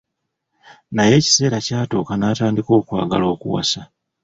Naye ekiseera kyatuuka n'atandika okwagala okuwasa.